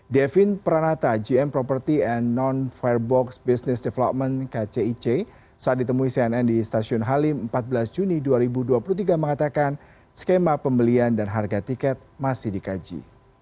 devin pranata gm property and non firebox business development kcic saat ditemui cnn di stasiun halim empat belas juni dua ribu dua puluh tiga mengatakan skema pembelian dan harga tiket masih dikaji